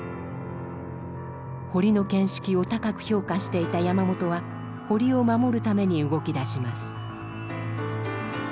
堀の見識を高く評価していた山本は堀を守るために動きだします。